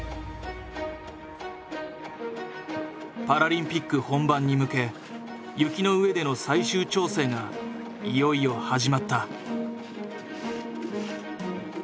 パラリンピック本番に向け雪の上での最終調整がいよいよ始まった。